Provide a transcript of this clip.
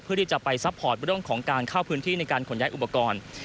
เพื่อที่จะไปซัพพอร์ตเรื่องของการเข้าพื้นที่ในการขนย้ายอุปกรณ์